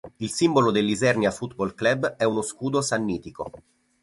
Il simbolo dell'Isernia Football Club è uno scudo sannitico.